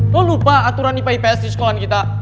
lo lupa aturan ipa ipa di sekolah kita